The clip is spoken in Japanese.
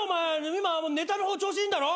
今ネタの方調子いいんだろ？